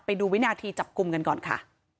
ไปดูวินาทีจับกลุ่มกันก่อนค่ะ